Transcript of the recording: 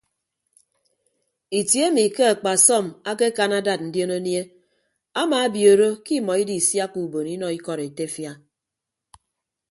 Itie emi ke akpasọm akekan adad ndion anie amabiooro ke imọ idisiakka ubon inọ ikọd etefia.